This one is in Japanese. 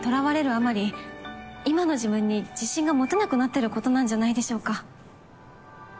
あまり今の自分に自信が持てなくなってることなんじゃないでしょうか。